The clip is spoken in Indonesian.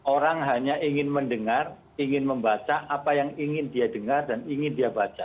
orang hanya ingin mendengar ingin membaca apa yang ingin dia dengar dan ingin dia baca